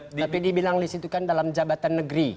tapi dibilang di situ kan dalam jabatan negeri